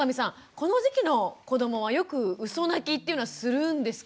この時期の子どもはよくうそ泣きっていうのはするんですかね？